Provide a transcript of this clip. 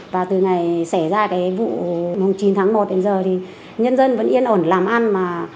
và từ ngày xảy ra cái vụ chín tháng một đến giờ thì nhân dân vẫn yên ổn làm ăn mà